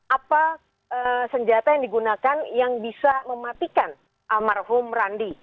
apa senjata yang digunakan yang bisa mematikan almarhum randi